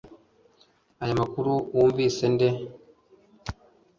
Aya makuru wumvise nde